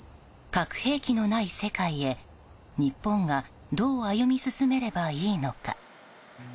核兵器のない世界へ日本が、どう歩み進めればいいのか。